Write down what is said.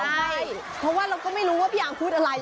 ใช่เพราะว่าเราก็ไม่รู้ว่าพี่อาร์พูดอะไร